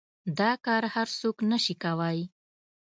دا کار هر سوک نشي کواى.